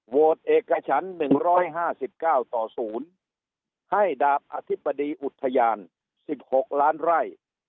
โวทธ์เอกชันหนึ่งร้อยห้าสิบเก้าต่อศูนย์ให้ดาบอธิบดีอุทยานสิบหกล้านไร่